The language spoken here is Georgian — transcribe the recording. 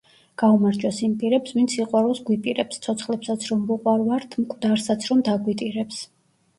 გაუმარჯოს იმ პირებს ვინც სიყვარულს გვიპირებს, ცოცხლებსაც რომ ვუყვარვართ მკვდარსაც რომ დაგვიტირებს.